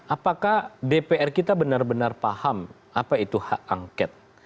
apakah dpr kita benar benar paham apa itu hak angket